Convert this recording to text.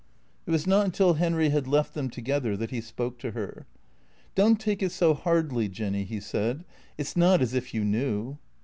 It was not until Henry had left them together that he spoke to her. " Don't take it so hardly, Jinny," he said. " It 's not as if you knew."